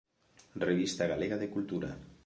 Revista galega de cultura".